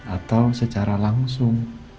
atau secara langsung